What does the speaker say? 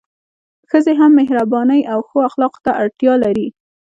ښځي هم مهربانۍ او ښو اخلاقو ته اړتیا لري